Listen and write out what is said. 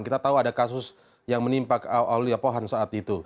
kita tahu ada kasus yang menimpa aulia pohan saat itu